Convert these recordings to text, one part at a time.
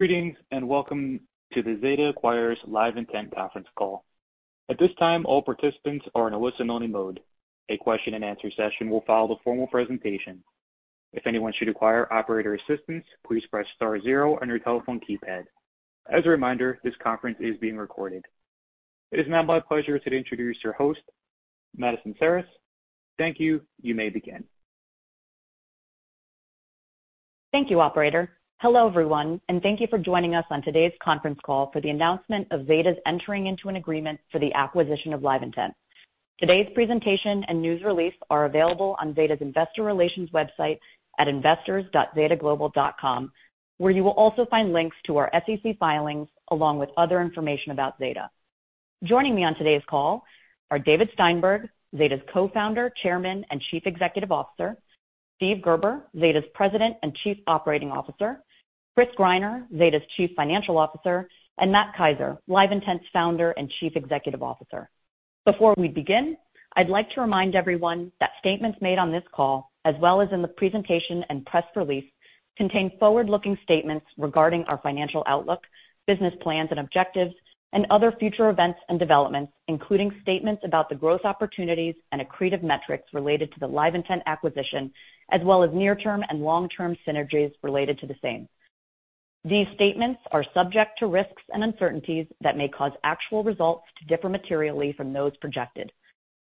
Greetings, and welcome to The Zeta Acquires LiveIntent Conference Call. At this time, all participants are in a listen-only mode. A question-and-answer session will follow the formal presentation. If anyone should require operator assistance, please press star zero on your telephone keypad. As a reminder, this conference is being recorded. It is now my pleasure to introduce your host, Madison Serras. Thank you. You may begin. Thank you, operator. Hello, everyone, and thank you for joining us on today's conference call for the announcement of Zeta's entering into an agreement for the acquisition of LiveIntent. Today's presentation and news release are available on Zeta's Investor Relations website at investors.zetaglobal.com, where you will also find links to our SEC filings, along with other information about Zeta. Joining me on today's call are David Steinberg, Zeta's Co-founder, Chairman, and Chief Executive Officer, Steve Gerber, Zeta's President and Chief Operating Officer, Chris Greiner, Zeta's Chief Financial Officer, and Matt Keiser, LiveIntent's Founder and Chief Executive Officer. Before we begin, I'd like to remind everyone that statements made on this call, as well as in the presentation and press release, contain forward-looking statements regarding our financial outlook, business plans and objectives, and other future events and developments, including statements about the growth opportunities and accretive metrics related to the LiveIntent acquisition, as well as near-term and long-term synergies related to the same. These statements are subject to risks and uncertainties that may cause actual results to differ materially from those projected.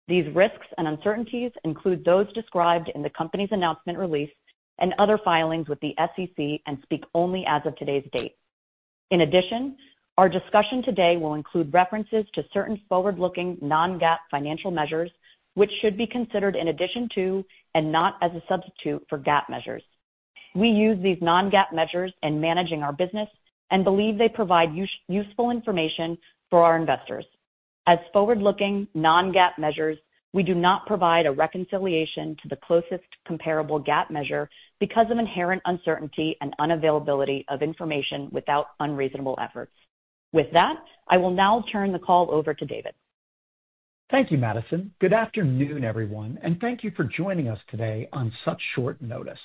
These risks and uncertainties include those described in the company's press release and other filings with the SEC, and speak only as of today's date. In addition, our discussion today will include references to certain forward-looking non-GAAP financial measures, which should be considered in addition to, and not as a substitute for, GAAP measures. We use these non-GAAP measures in managing our business and believe they provide useful information for our investors. As forward-looking non-GAAP measures, we do not provide a reconciliation to the closest comparable GAAP measure because of inherent uncertainty and unavailability of information without unreasonable efforts. With that, I will now turn the call over to David. Thank you, Madison. Good afternoon, everyone, and thank you for joining us today on such short notice.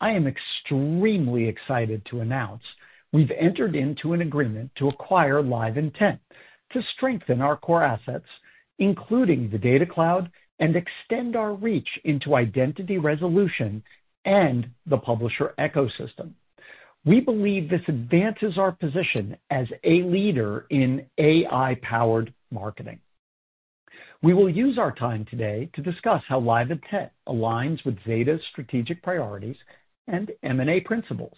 I am extremely excited to announce we've entered into an agreement to acquire LiveIntent to strengthen our core assets, including the Data Cloud, and extend our reach into identity resolution and the publisher ecosystem. We believe this advances our position as a leader in AI-powered marketing. We will use our time today to discuss how LiveIntent aligns with Zeta's strategic priorities and M&A principles.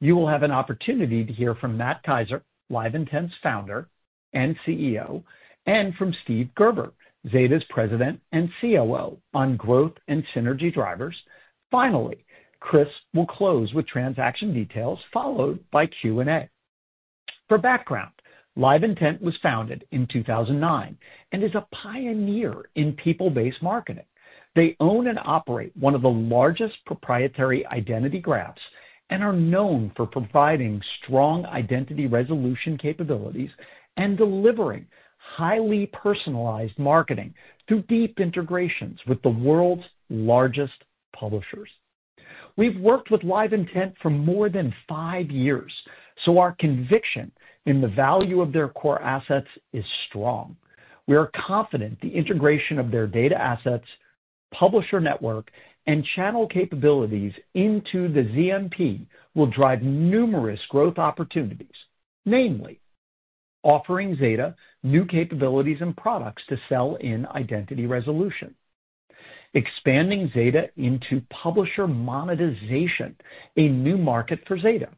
You will have an opportunity to hear from Matt Keiser, LiveIntent's founder and CEO, and from Steve Gerber, Zeta's President and COO, on growth and synergy drivers. Finally, Chris will close with transaction details, followed by Q&A. For background, LiveIntent was founded in 2009 and is a pioneer in people-based marketing. They own and operate one of the largest proprietary identity graphs and are known for providing strong identity resolution capabilities and delivering highly personalized marketing through deep integrations with the world's largest publishers. We've worked with LiveIntent for more than five years, so our conviction in the value of their core assets is strong. We are confident the integration of their data assets, publisher network, and channel capabilities into the ZMP will drive numerous growth opportunities, namely, offering Zeta new capabilities and products to sell in identity resolution, expanding Zeta into publisher monetization, a new market for Zeta,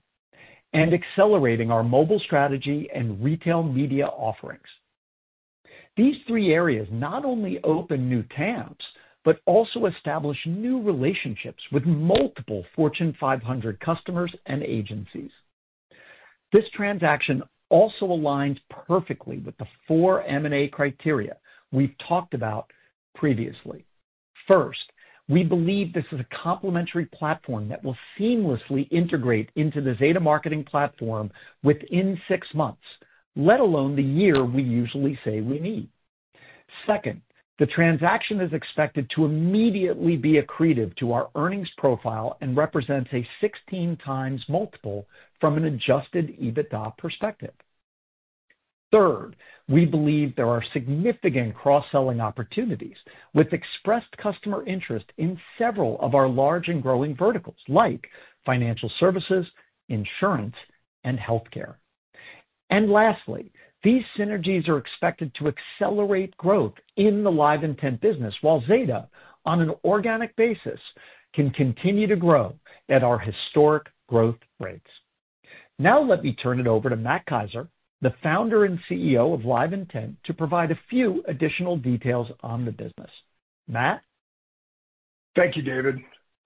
and accelerating our mobile strategy and retail media offerings. These three areas not only open new TAMs, but also establish new relationships with multiple Fortune 500 customers and agencies. This transaction also aligns perfectly with the four M&A criteria we've talked about previously. First, we believe this is a complementary platform that will seamlessly integrate into the Zeta marketing platform within six months, let alone the year we usually say we need. Second, the transaction is expected to immediately be accretive to our earnings profile and represents a 16x multiple from an Adjusted EBITDA perspective. Third, we believe there are significant cross-selling opportunities, with expressed customer interest in several of our large and growing verticals, like financial services, insurance, and healthcare. And lastly, these synergies are expected to accelerate growth in the LiveIntent business, while Zeta, on an organic basis, can continue to grow at our historic growth rates. Now let me turn it over to Matt Keiser, the founder and CEO of LiveIntent, to provide a few additional details on the business. Matt? Thank you, David.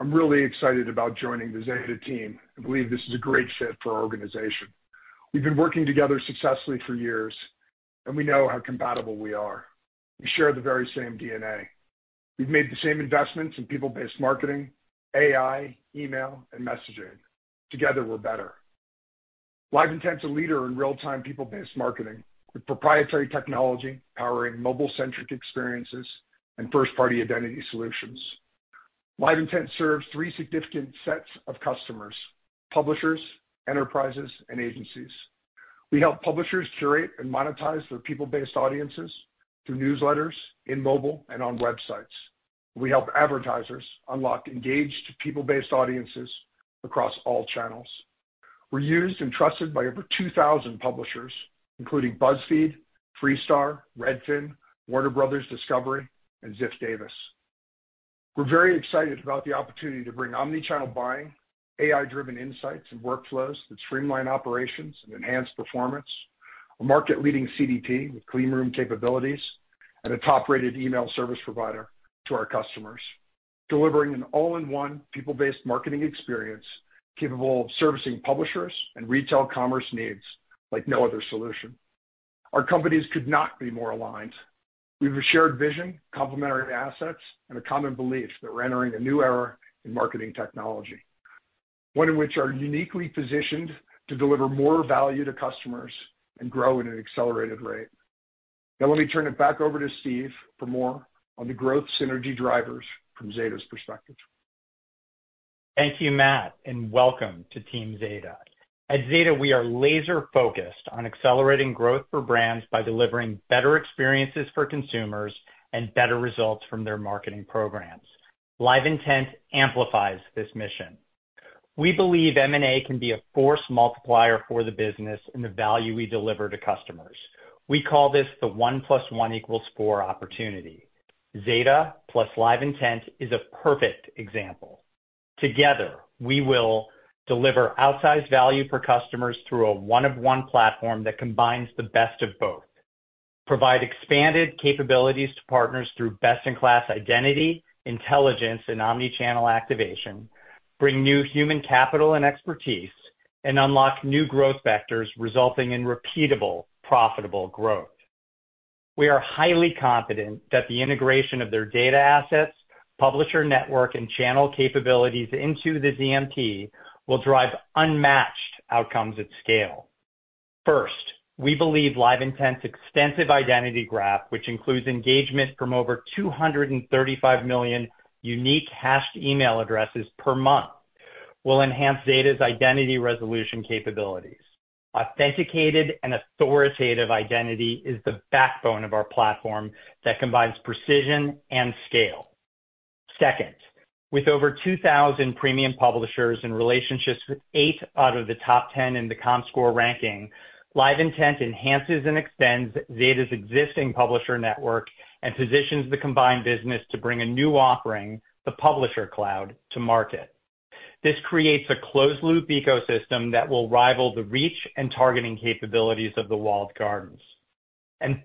I'm really excited about joining the Zeta team. I believe this is a great fit for our organization. We've been working together successfully for years, and we know how compatible we are. We share the very same DNA. We've made the same investments in people-based marketing, AI, email, and messaging. Together, we're better. LiveIntent's a leader in real-time people-based marketing, with proprietary technology powering mobile-centric experiences and first-party identity solutions. LiveIntent serves three significant sets of customers: publishers, enterprises, and agencies. We help publishers curate and monetize their people-based audiences through newsletters, in mobile, and on websites. We help advertisers unlock engaged people-based audiences across all channels. We're used and trusted by over two thousand publishers, including BuzzFeed, Freestar, Redfin, Warner Bros. Discovery, and Ziff Davis. We're very excited about the opportunity to bring omni-channel buying, AI-driven insights and workflows that streamline operations and enhance performance, a market-leading CDP with clean room capabilities, and a top-rated email service provider to our customers, delivering an all-in-one people-based marketing experience capable of servicing publishers and retail commerce needs like no other solution. Our companies could not be more aligned. We have a shared vision, complementary assets, and a common belief that we're entering a new era in marketing technology, one in which are uniquely positioned to deliver more value to customers and grow at an accelerated rate. Now, let me turn it back over to Steve for more on the growth synergy drivers from Zeta's perspective. Thank you, Matt, and welcome to Team Zeta. At Zeta, we are laser-focused on accelerating growth for brands by delivering better experiences for consumers and better results from their marketing programs. LiveIntent amplifies this mission. We believe M&A can be a force multiplier for the business and the value we deliver to customers. We call this the one plus one equals four opportunity. Zeta plus LiveIntent is a perfect example. Together, we will deliver outsized value for customers through a one-of-one platform that combines the best of both, provide expanded capabilities to partners through best-in-class identity, intelligence, and omni-channel activation, bring new human capital and expertise, and unlock new growth vectors, resulting in repeatable, profitable growth. We are highly confident that the integration of their data assets, publisher network, and channel capabilities into the ZMP will drive unmatched outcomes at scale. First, we believe LiveIntent's extensive identity graph, which includes engagement from over 235 million unique hashed email addresses per month, will enhance data's identity resolution capabilities. Authenticated and authoritative identity is the backbone of our platform that combines precision and scale. Second, with over 2,000 premium publishers and relationships with eight out of the top 10 in the Comscore ranking, LiveIntent enhances and extends Zeta's existing publisher network and positions the combined business to bring a new offering, the Publisher Cloud, to market. This creates a closed-loop ecosystem that will rival the reach and targeting capabilities of the walled gardens.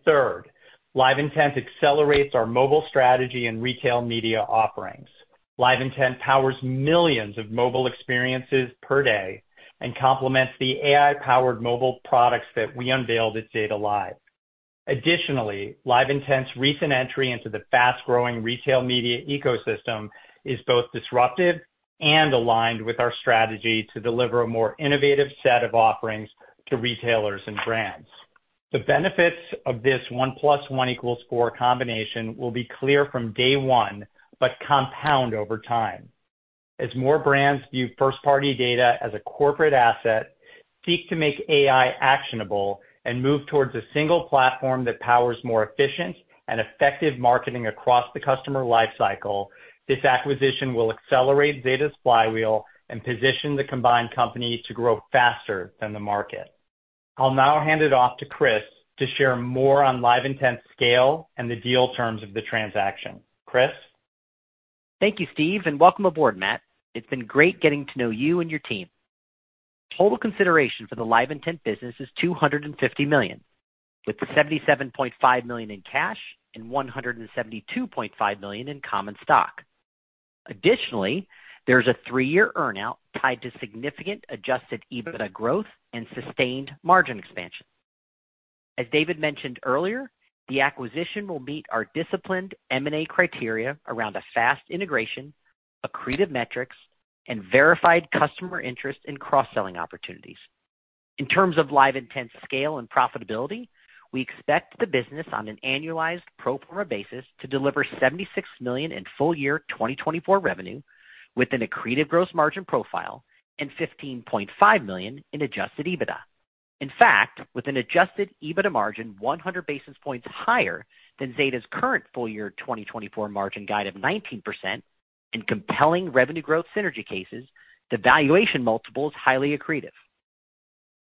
Third, LiveIntent accelerates our mobile strategy and retail media offerings. LiveIntent powers millions of mobile experiences per day and complements the AI-powered mobile products that we unveiled at Zeta Live. Additionally, LiveIntent's recent entry into the fast-growing retail media ecosystem is both disruptive and aligned with our strategy to deliver a more innovative set of offerings to retailers and brands. The benefits of this one plus one equals four combination will be clear from day one, but compound over time. As more brands view first-party data as a corporate asset, seek to make AI actionable, and move towards a single platform that powers more efficient and effective marketing across the customer lifecycle, this acquisition will accelerate data's flywheel and position the combined company to grow faster than the market. I'll now hand it off to Chris to share more on LiveIntent's scale and the deal terms of the transaction. Chris? Thank you, Steve, and welcome aboard, Matt. It's been great getting to know you and your team. Total consideration for the LiveIntent business is $250 million, with $77.5 million in cash and $172.5 million in common stock. Additionally, there's a three-year earn-out tied to significant Adjusted EBITDA growth and sustained margin expansion. As David mentioned earlier, the acquisition will meet our disciplined M&A criteria around a fast integration, accretive metrics, and verified customer interest in cross-selling opportunities. In terms of LiveIntent's scale and profitability, we expect the business, on an annualized pro forma basis, to deliver $76 million in full year 2024 revenue, with an accretive gross margin profile and $15.5 million in Adjusted EBITDA. In fact, with an Adjusted EBITDA margin one hundred basis points higher than Zeta's current full year 2024 margin guide of 19% and compelling revenue growth synergy cases, the valuation multiple is highly accretive.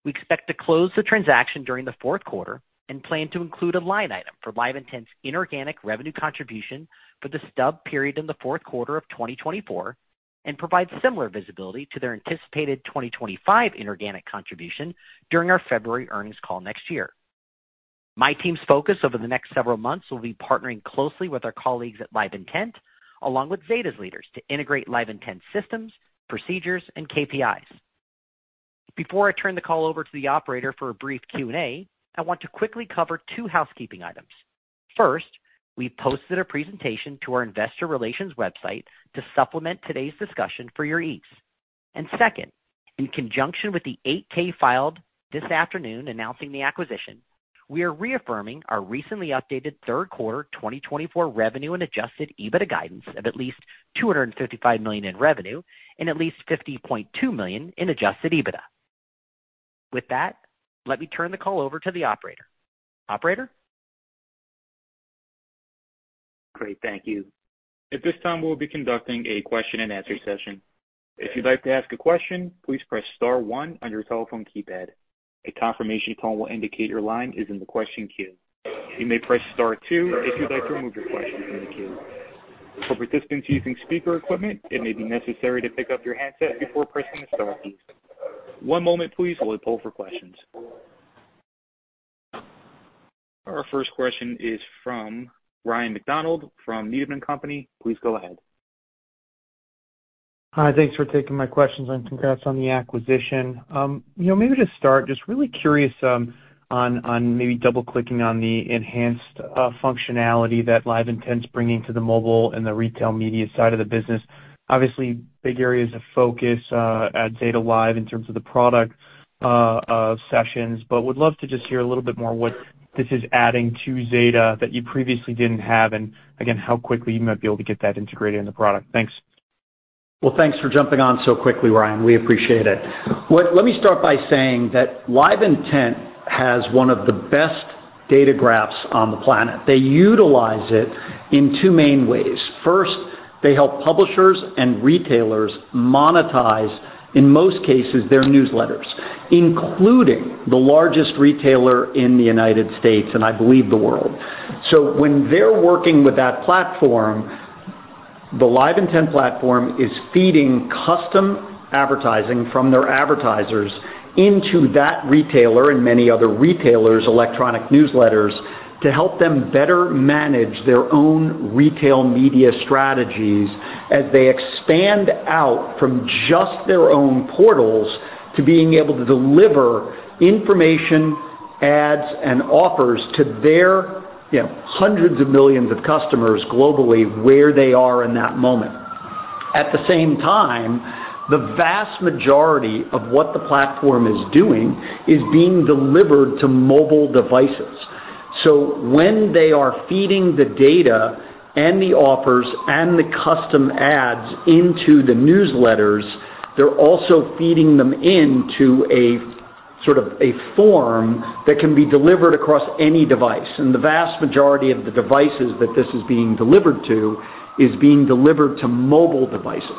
We expect to close the transaction during the fourth quarter and plan to include a line item for LiveIntent's inorganic revenue contribution for the stub period in the fourth quarter of 2024, and provide similar visibility to their anticipated 2025 inorganic contribution during our February earnings call next year. My team's focus over the next several months will be partnering closely with our colleagues at LiveIntent, along with Zeta's leaders, to integrate LiveIntent's systems, procedures, and KPIs. Before I turn the call over to the operator for a brief Q&A, I want to quickly cover two housekeeping items. First, we posted a presentation to our investor relations website to supplement today's discussion for your ease. And second, in conjunction with the 8-K filed this afternoon announcing the acquisition, we are reaffirming our recently updated third quarter 2024 revenue and Adjusted EBITDA guidance of at least $255 million in revenue and at least $50.2 million in Adjusted EBITDA. With that, let me turn the call over to the operator. Operator? Great, thank you. At this time, we'll be conducting a question-and-answer session. If you'd like to ask a question, please press star one on your telephone keypad. A confirmation tone will indicate your line is in the question queue. You may press star two if you'd like to remove your question from the queue. For participants using speaker equipment, it may be necessary to pick up your handset before pressing the star keys. One moment please, while we poll for questions. Our first question is from Ryan MacDonald from Needham & Company. Please go ahead. Hi, thanks for taking my questions, and congrats on the acquisition. You know, maybe to start, just really curious on maybe double-clicking on the enhanced functionality that LiveIntent's bringing to the mobile and the retail media side of the business. Obviously, big areas of focus at LiveIntent in terms of the product sessions, but would love to just hear a little bit more what this is adding to Zeta that you previously didn't have, and again, how quickly you might be able to get that integrated in the product. Thanks. Thanks for jumping on so quickly, Ryan. We appreciate it. Let me start by saying that LiveIntent has one of the best data graphs on the planet. They utilize it in two main ways. First, they help publishers and retailers monetize, in most cases, their newsletters, including the largest retailer in the United States, and I believe the world, so when they're working with that platform, the LiveIntent platform is feeding custom advertising from their advertisers into that retailer and many other retailers' electronic newsletters to help them better manage their own retail media strategies as they expand out from just their own portals to being able to deliver information, ads, and offers to their, you know, hundreds of millions of customers globally, where they are in that moment. At the same time, the vast majority of what the platform is doing is being delivered to mobile devices. When they are feeding the data and the offers and the custom ads into the newsletters, they're also feeding them into a sort of a form that can be delivered across any device. The vast majority of the devices that this is being delivered to is being delivered to mobile devices.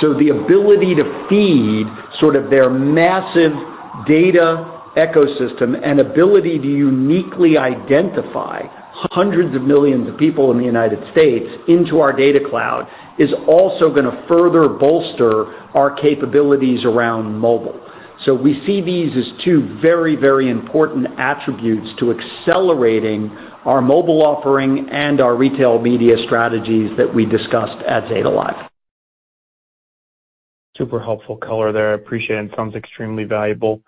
The ability to feed sort of their massive data ecosystem and ability to uniquely identify hundreds of millions of people in the United States into our data cloud, is also gonna further bolster our capabilities around mobile. We see these as two very, very important attributes to accelerating our mobile offering and our retail media strategies that we discussed at DataLive. Super helpful color there. I appreciate it. It sounds extremely valuable.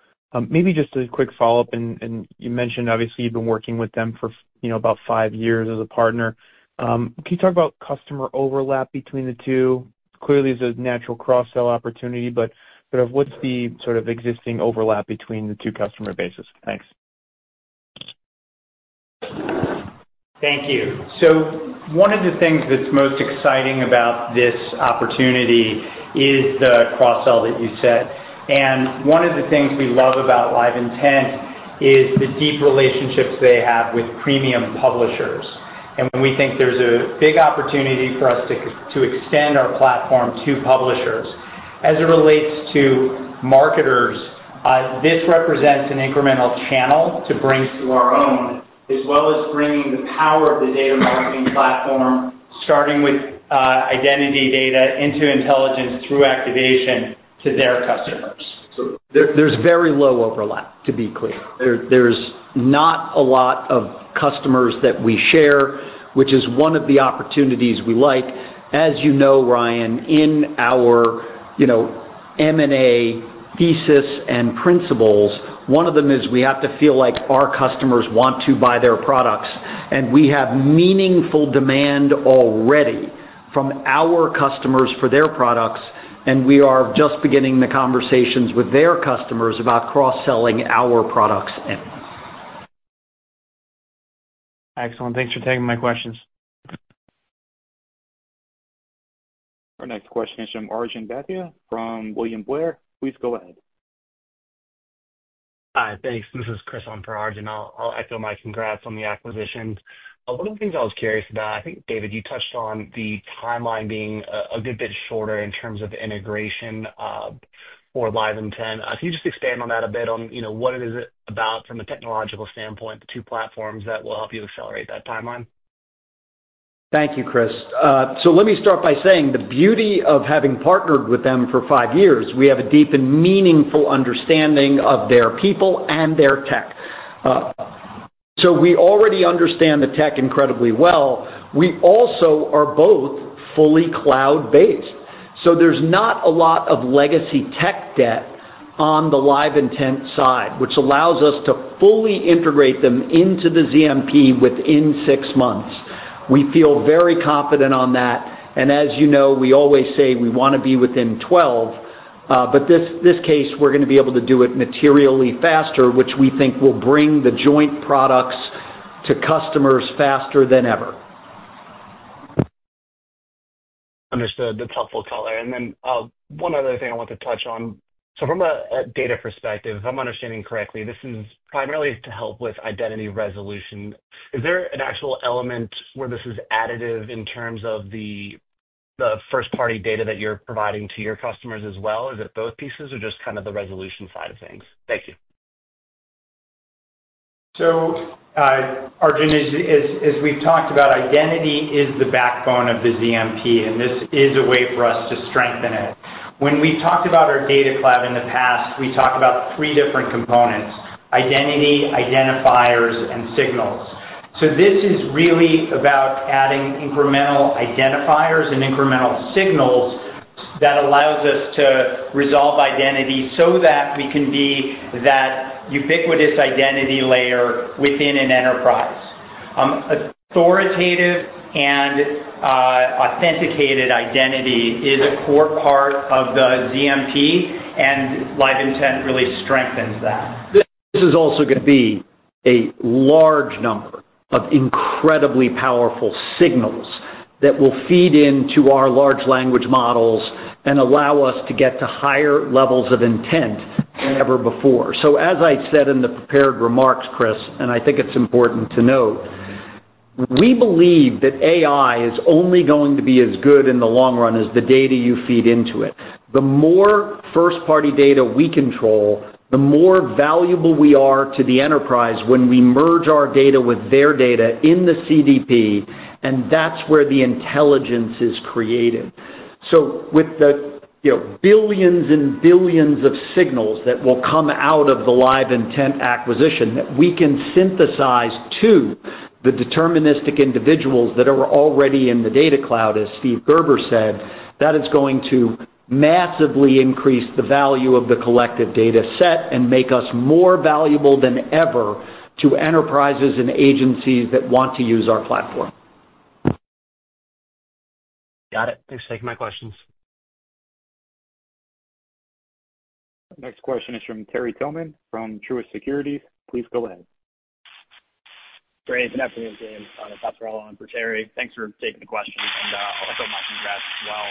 Maybe just a quick follow-up, and you mentioned obviously, you've been working with them for, you know, about five years as a partner. Can you talk about customer overlap between the two? Clearly, there's a natural cross-sell opportunity, but sort of what's the existing overlap between the two customer bases? Thanks. Thank you. So one of the things that's most exciting about this opportunity is the cross-sell that you said. And one of the things we love about LiveIntent is the deep relationships they have with premium publishers. And we think there's a big opportunity for us to extend our platform to publishers. As it relates to marketers, this represents an incremental channel to bring to our own, as well as bringing the power of the Zeta Marketing Platform, starting with identity data into intelligence through activation to their customers. So, there's very low overlap, to be clear. There's not a lot of customers that we share, which is one of the opportunities we like. As you know, Ryan, in our, you know, M&A thesis and principles, one of them is we have to feel like our customers want to buy their products, and we have meaningful demand already from our customers for their products, and we are just beginning the conversations with their customers about cross-selling our products in. Excellent. Thanks for taking my questions. Our next question is from Arjun Bhatia, from William Blair. Please go ahead. Hi, thanks. This is Chris on for Arjun. I'll echo my congrats on the acquisition. One of the things I was curious about, I think, David, you touched on the timeline being a good bit shorter in terms of integration for LiveIntent. Can you just expand on that a bit on, you know, what it is about from a technological standpoint, the two platforms that will help you accelerate that timeline? Thank you, Chris. So let me start by saying, the beauty of having partnered with them for five years, we have a deep and meaningful understanding of their people and their tech. So we already understand the tech incredibly well. We also are both fully cloud-based, so there's not a lot of legacy tech debt on the LiveIntent side, which allows us to fully integrate them into the ZMP within six months... We feel very confident on that, and as you know, we always say we wanna be within twelve, but in this case, we're gonna be able to do it materially faster, which we think will bring the joint products to customers faster than ever. Understood. That's helpful color. And then, one other thing I want to touch on. So from a data perspective, if I'm understanding correctly, this is primarily to help with identity resolution. Is there an actual element where this is additive in terms of the first-party data that you're providing to your customers as well? Is it both pieces or just kind of the resolution side of things? Thank you. So, Arjun, as we've talked about, identity is the backbone of the DMP, and this is a way for us to strengthen it. When we talked about our Data Cloud in the past, we talked about three different components: identity, identifiers, and signals. So this is really about adding incremental identifiers and incremental signals that allows us to resolve identity so that we can be that ubiquitous identity layer within an enterprise. Authoritative and authenticated identity is a core part of the DMP, and LiveIntent really strengthens that. This is also gonna be a large number of incredibly powerful signals that will feed into our large language models and allow us to get to higher levels of intent than ever before. So as I said in the prepared remarks, Chris, and I think it's important to note, we believe that AI is only going to be as good in the long run as the data you feed into it. The more first-party data we control, the more valuable we are to the enterprise when we merge our data with their data in the CDP, and that's where the intelligence is created. So with the, you know, billions and billions of signals that will come out of the LiveIntent acquisition, that we can synthesize to the deterministic individuals that are already in the data cloud, as Steve Gerber said, that is going to massively increase the value of the collective data set and make us more valuable than ever to enterprises and agencies that want to use our platform. Got it. Thanks for taking my questions. Next question is from Terry Tillman from Truist Securities. Please go ahead. Good afternoon, team. I'm Connor on for Terry, thanks for taking the question, and also my congrats as well.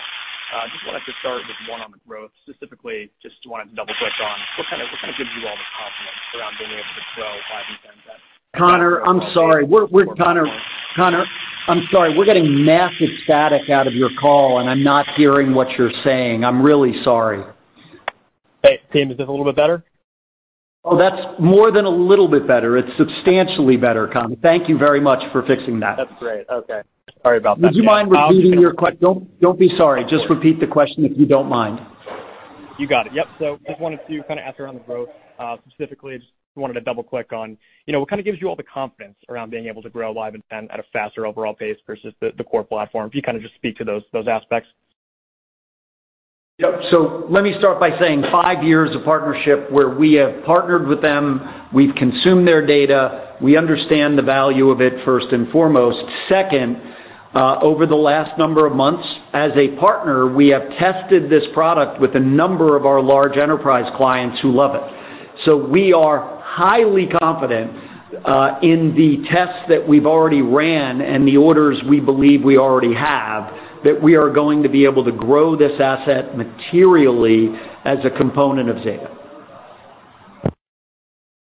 Just wanted to start with one on the growth. Specifically, just wanted to double-click on what kind of gives you all the confidence around being able to grow LiveIntent that- Connor, I'm sorry. We're getting massive static out of your call, and I'm not hearing what you're saying. I'm really sorry. Hey, team, is this a little bit better? Oh, that's more than a little bit better. It's substantially better, Connor. Thank you very much for fixing that. That's great. Okay, sorry about that. Would you mind repeating your question? Don't, don't be sorry. Just repeat the question, if you don't mind. You got it. Yep. So just wanted to kind of ask around the growth, specifically, just wanted to double-click on, you know, what kind of gives you all the confidence around being able to grow LiveIntent at a faster overall pace versus the core platform? If you kind of just speak to those aspects. Yep. So let me start by saying five years of partnership, where we have partnered with them, we've consumed their data, we understand the value of it, first and foremost. Second, over the last number of months, as a partner, we have tested this product with a number of our large enterprise clients who love it. So we are highly confident in the tests that we've already ran and the orders we believe we already have, that we are going to be able to grow this asset materially as a component of Zeta.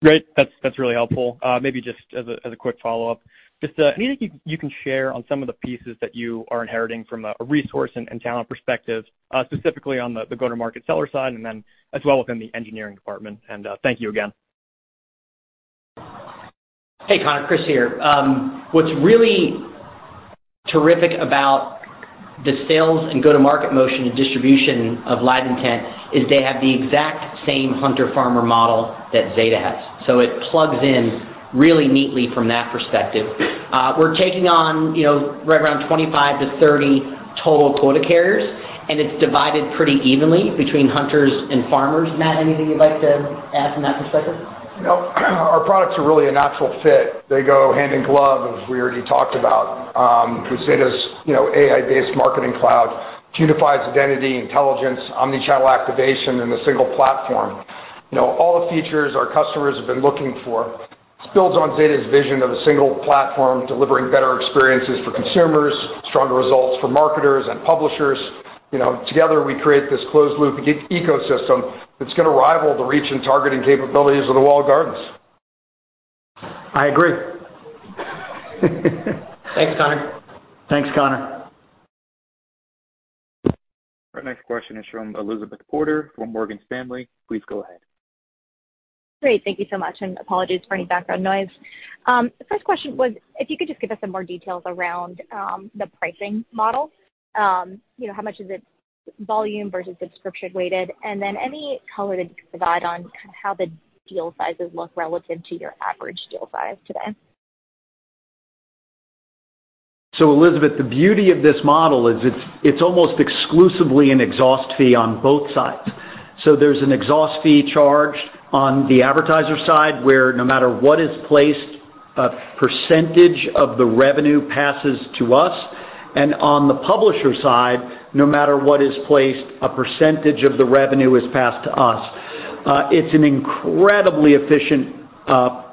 Great. That's, that's really helpful. Maybe just as a quick follow-up, anything you can share on some of the pieces that you are inheriting from a resource and talent perspective, specifically on the go-to-market seller side, and then as well within the engineering department? And thank you again. Hey, Connor. Chris here. What's really terrific about the sales and go-to-market motion and distribution of LiveIntent is they have the exact same hunter/farmer model that Zeta has. So it plugs in really neatly from that perspective. We're taking on, you know, right around 25-30 total quota carriers, and it's divided pretty evenly between hunters and farmers. Matt, anything you'd like to add from that perspective? No. Our products are really a natural fit. They go hand in glove, as we already talked about. With Zeta's, you know, AI-based marketing cloud, unifies identity, intelligence, omni-channel activation in a single platform. You know, all the features our customers have been looking for. This builds on Zeta's vision of a single platform, delivering better experiences for consumers, stronger results for marketers and publishers. You know, together, we create this closed-loop e-ecosystem that's gonna rival the reach and targeting capabilities of the walled gardens. I agree. Thanks, Connor. Thanks, Connor. Our next question is from Elizabeth Porter from Morgan Stanley. Please go ahead. Great. Thank you so much, and apologies for any background noise. The first question was if you could just give us some more details around the pricing model. You know, how much is it volume versus subscription weighted? And then any color that you could provide on how the deal sizes look relative to your average deal size today. So, Elizabeth, the beauty of this model is it's almost exclusively an exhaust fee on both sides. So there's an exhaust fee charged on the advertiser side, where no matter what is placed, a percentage of the revenue passes to us, and on the publisher side, no matter what is placed, a percentage of the revenue is passed to us. It's an incredibly efficient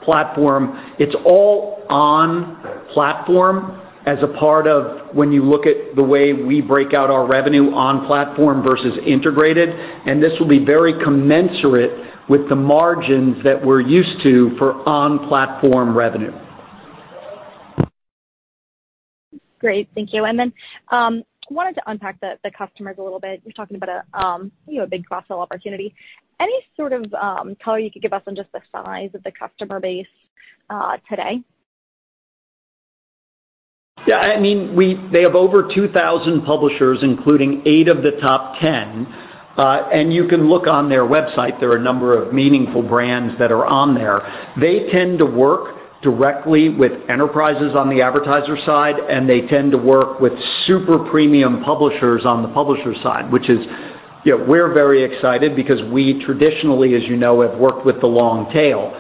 platform. It's all on platform as a part of when you look at the way we break out our revenue on platform versus integrated, and this will be very commensurate with the margins that we're used to for on-platform revenue. Great, thank you. And then, I wanted to unpack the customers a little bit. You're talking about a, you know, a big cross-sell opportunity. Any sort of color you could give us on just the size of the customer base, today? Yeah, I mean, we they have over 2,000 publishers, including eight of the top 10. And you can look on their website, there are a number of meaningful brands that are on there. They tend to work directly with enterprises on the advertiser side, and they tend to work with super premium publishers on the publisher side, which is, you know, we're very excited because we traditionally, as you know, have worked with the long tail.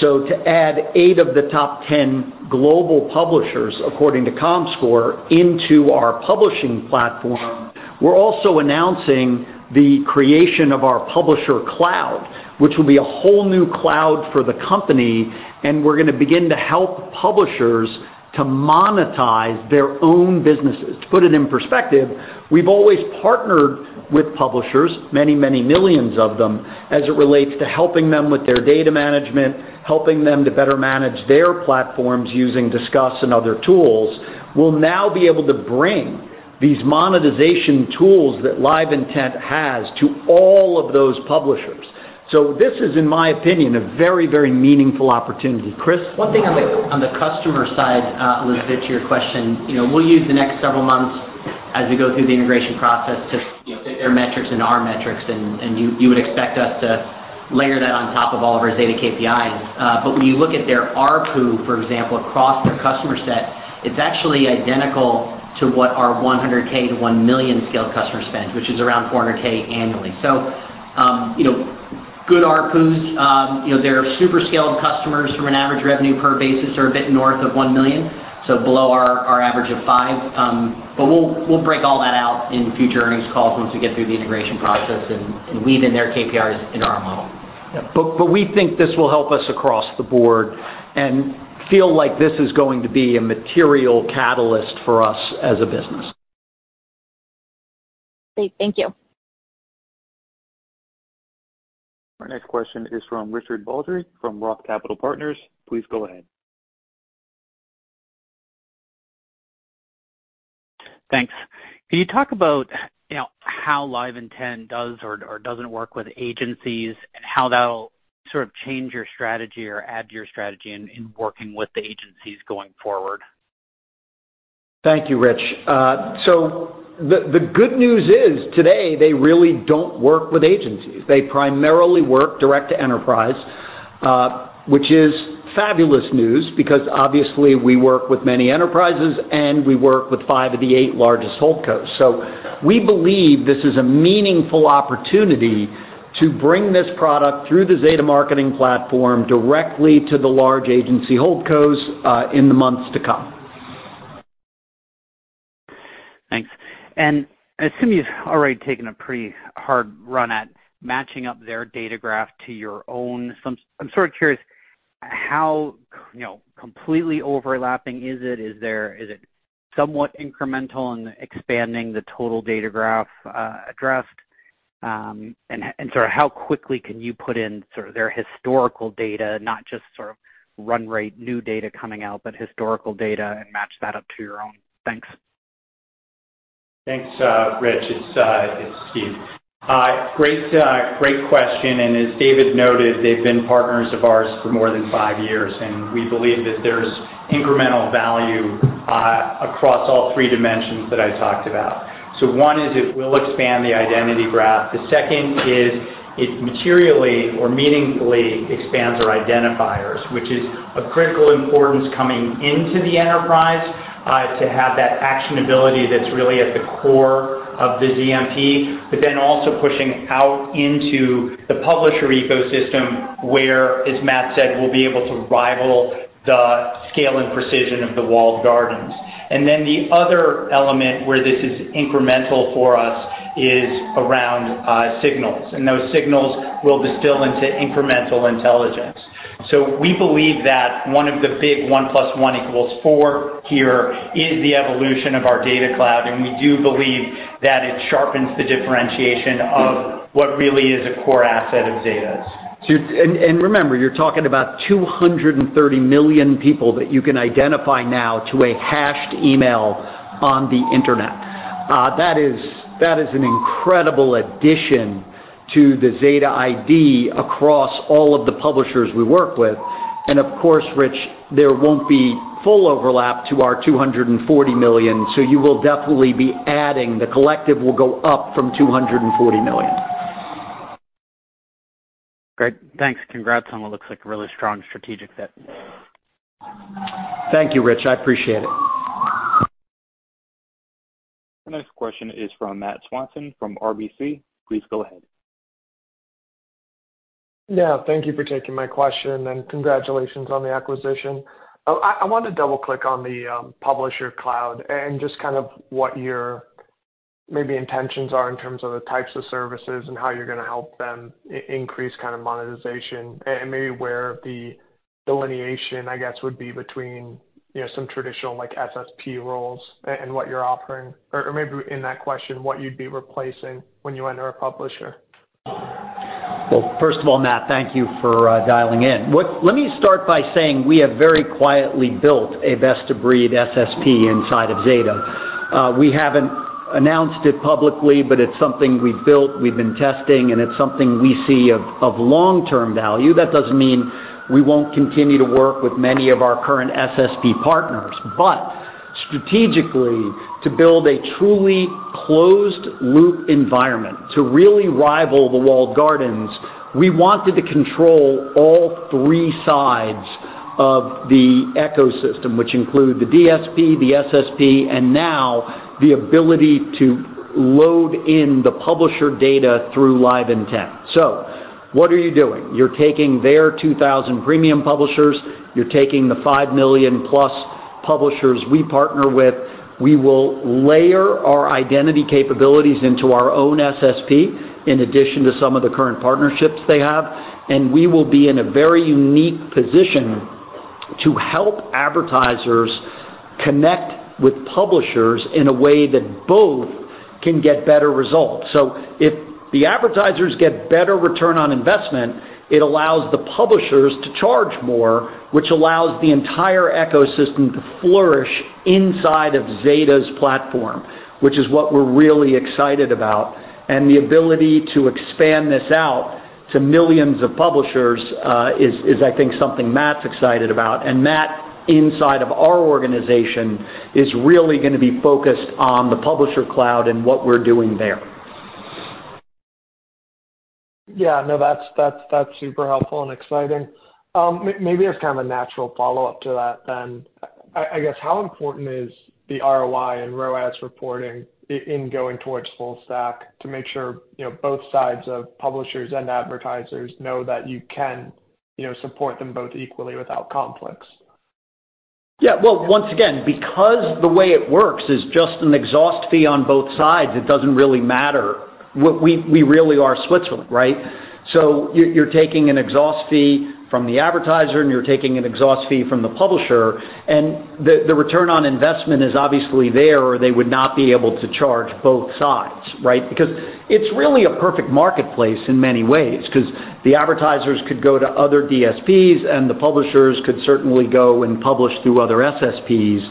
So to add eight of the top 10 global publishers, according to Comscore, into our publishing platform, we're also announcing the creation of our Publisher Cloud, which will be a whole new cloud for the company, and we're gonna begin to help publishers to monetize their own businesses. To put it in perspective, we've always partnered with publishers, many, many millions of them, as it relates to helping them with their data management, helping them to better manage their platforms using Disqus and other tools. We'll now be able to bring these monetization tools that LiveIntent has to all of those publishers. So this is, in my opinion, a very, very meaningful opportunity. Chris? One thing on the customer side, Elizabeth, to your question, you know, we'll use the next several months as we go through the integration process to, you know, their metrics and our metrics, and you would expect us to layer that on top of all of our data KPIs. But when you look at their ARPU, for example, across their customer set, it's actually identical to what our 100K to 1 million scale customer spends, which is around 400K annually. So, you know, good ARPUs, you know, their super scaled customers from an ARPU basis are a bit north of 1 million, so below our average of 5. But we'll break all that out in future earnings calls once we get through the integration process and weave in their KPIs into our model. But we think this will help us across the board and feel like this is going to be a material catalyst for us as a business. Great. Thank you. Our next question is from Richard Baldry, from Roth Capital Partners. Please go ahead. Thanks. Can you talk about, you know, how LiveIntent does or doesn't work with agencies, and how that'll sort of change your strategy or add to your strategy in working with the agencies going forward? Thank you, Rich. So the good news is, today, they really don't work with agencies. They primarily work direct to enterprise, which is fabulous news, because obviously, we work with many enterprises, and we work with five of the eight largest holdcos. So we believe this is a meaningful opportunity to bring this product through the Zeta Marketing Platform directly to the large agency holdcos, in the months to come. Thanks. And assuming you've already taken a pretty hard run at matching up their identity graph to your own, I'm sort of curious, how, you know, completely overlapping is it? Is it somewhat incremental in expanding the total identity graph addressable? And sort of how quickly can you put in sort of their historical data, not just sort of run rate, new data coming out, but historical data, and match that up to your own? Thanks. Thanks, Rich. It's Steve. Great, great question, and as David noted, they've been partners of ours for more than five years, and we believe that there's incremental value across all three dimensions that I talked about. So one is it will expand the identity graph. The second is it materially or meaningfully expands our identifiers, which is of critical importance coming into the enterprise to have that actionability that's really at the core of the DMP, but then also pushing out into the publisher ecosystem, where, as Matt said, we'll be able to rival the scale and precision of the walled gardens. And then the other element where this is incremental for us is around signals, and those signals will distill into incremental intelligence. So we believe that one of the big one plus one equals four here is the evolution of our data cloud, and we do believe that it sharpens the differentiation of what really is a core asset of Zeta's. Remember, you're talking about 230 million people that you can identify now to a hashed email on the internet. That is an incredible addition to the Zeta ID across all of the publishers we work with. And of course, Rich, there won't be full overlap to our 240 million, so you will definitely be adding. The collective will go up from 240 million. Great. Thanks, and congrats on what looks like a really strong strategic fit. Thank you, Rich. I appreciate it. Our next question is from Matt Swanson from RBC. Please go ahead. Yeah, thank you for taking my question, and congratulations on the acquisition. I want to double-click on the Publisher Cloud and just kind of what your maybe intentions are in terms of the types of services and how you're gonna help them increase kind of monetization, and maybe where the delineation, I guess, would be between, you know, some traditional, like, SSP roles and what you're offering, or maybe in that question, what you'd be replacing when you enter a publisher. First of all, Matt, thank you for dialing in. What... Let me start by saying we have very quietly built a best-of-breed SSP inside of Zeta. We haven't announced it publicly, but it's something we've built, we've been testing, and it's something we see of long-term value. That doesn't mean we won't continue to work with many of our current SSP partners. But strategically, to build a truly closed-loop environment, to really rival the walled gardens, we wanted to control all three sides of the ecosystem, which include the DSP, the SSP, and now the ability to load in the publisher data through LiveIntent. So what are you doing? You're taking their 2,000 premium publishers, you're taking the 5 million plus publishers we partner with. We will layer our identity capabilities into our own SSP, in addition to some of the current partnerships they have, and we will be in a very unique position to help advertisers connect with publishers in a way that both can get better results. So if the advertisers get better return on investment, it allows the publishers to charge more, which allows the entire ecosystem to flourish inside of Zeta's platform, which is what we're really excited about. And the ability to expand this out to millions of publishers is, I think, something Matt's excited about. And Matt, inside of our organization, is really gonna be focused on the Publisher Cloud and what we're doing there. Yeah, no, that's super helpful and exciting. Maybe as kind of a natural follow-up to that, then, I guess, how important is the ROI and ROAS reporting in going towards full stack to make sure, you know, both sides of publishers and advertisers know that you can, you know, support them both equally without conflicts? Yeah, well, once again, because the way it works is just an exhaust fee on both sides, it doesn't really matter. We really are Switzerland, right? So you're taking an exhaust fee from the advertiser, and you're taking an exhaust fee from the publisher, and the return on investment is obviously there, or they would not be able to charge both sides, right? Because it's really a perfect marketplace in many ways, 'cause the advertisers could go to other DSPs, and the publishers could certainly go and publish through other SSPs.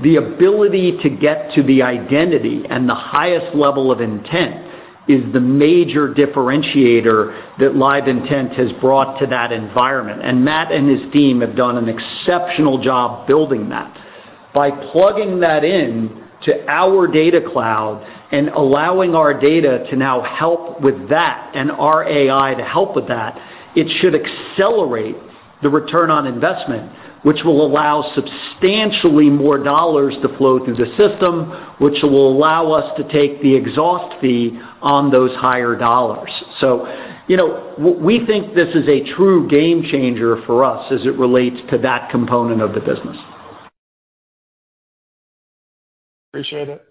The ability to get to the identity and the highest level of intent is the major differentiator that LiveIntent has brought to that environment, and Matt and his team have done an exceptional job building that. By plugging that in to our data cloud and allowing our data to now help with that, and our AI to help with that, it should accelerate the return on investment, which will allow substantially more dollars to flow through the system, which will allow us to take the exhaust fee on those higher dollars. So, you know, we think this is a true game changer for us as it relates to that component of the business. Appreciate it.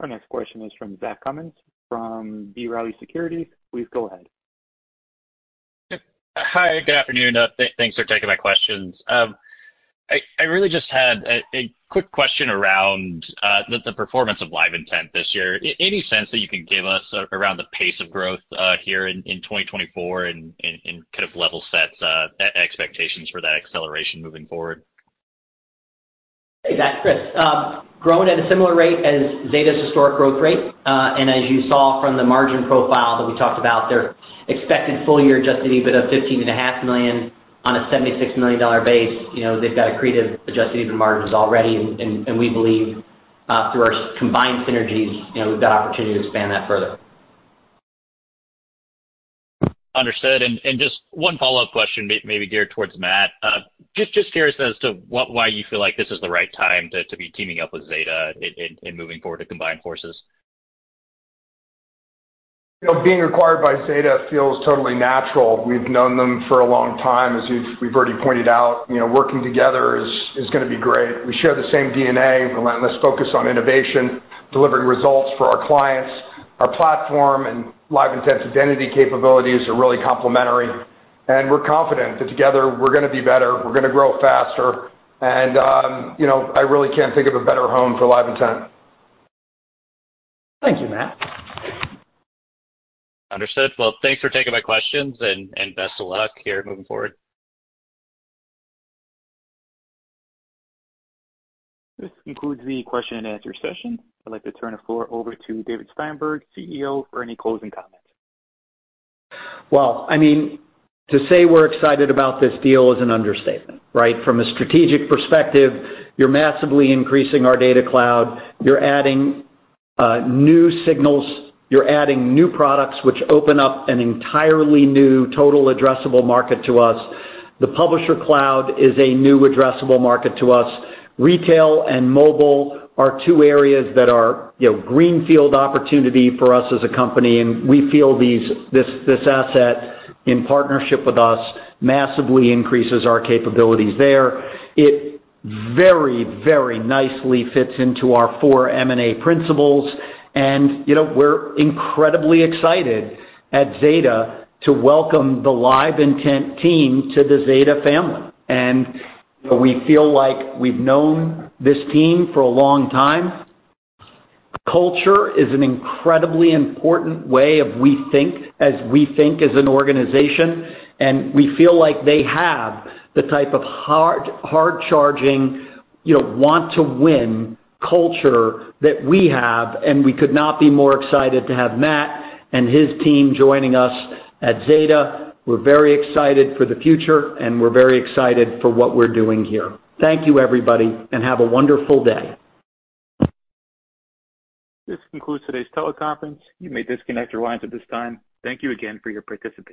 Our next question is from Zach Cummins, from B. Riley Securities. Please go ahead. Yeah. Hi, good afternoon. Thanks for taking my questions. I really just had a quick question around the performance of LiveIntent this year. Any sense that you can give us around the pace of growth here in 2024 and kind of level sets expectations for that acceleration moving forward? Hey, Zach, Chris. Growing at a similar rate as Zeta's historic growth rate, and as you saw from the margin profile that we talked about, their expected full year adjusted EBITDA of $15.5 million on a $76 million base, you know, they've got accretive adjusted margins already. And we believe, through our combined synergies, you know, we've got opportunity to expand that further. Understood. And just one follow-up question, maybe geared towards Matt. Just curious as to why you feel like this is the right time to be teaming up with Zeta and moving forward to combine forces. You know, being acquired by Zeta feels totally natural. We've known them for a long time, as you've- we've already pointed out. You know, working together is gonna be great. We share the same DNA and relentless focus on innovation, delivering results for our clients. Our platform and LiveIntent's identity capabilities are really complementary, and we're confident that together, we're gonna be better, we're gonna grow faster, and, you know, I really can't think of a better home for LiveIntent. Thank you, Matt. Understood. Well, thanks for taking my questions, and best of luck here moving forward. This concludes the question and answer session. I'd like to turn the floor over to David Steinberg, CEO, for any closing comments. I mean, to say we're excited about this deal is an understatement, right? From a strategic perspective, you're massively increasing our data cloud. You're adding new signals. You're adding new products, which open up an entirely new total addressable market to us. The publisher cloud is a new addressable market to us. Retail and mobile are two areas that are, you know, greenfield opportunity for us as a company, and we feel this asset, in partnership with us, massively increases our capabilities there. It very, very nicely fits into our four M&A principles, and, you know, we're incredibly excited at Zeta to welcome the LiveIntent team to the Zeta family. And we feel like we've known this team for a long time. Culture is an incredibly important way as we think as an organization, and we feel like they have the type of hard, hard-charging, you know, want-to-win culture that we have, and we could not be more excited to have Matt and his team joining us at Zeta. We're very excited for the future, and we're very excited for what we're doing here. Thank you, everybody, and have a wonderful day. This concludes today's teleconference. You may disconnect your lines at this time. Thank you again for your participation.